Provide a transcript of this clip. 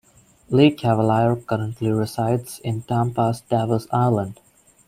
Lecavalier currently resides in Tampa's Davis Island.